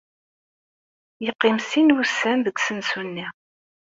Yeqqim sin n wussan deg usensu-nni.